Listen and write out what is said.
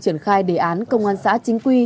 triển khai đề án công an xã chính quy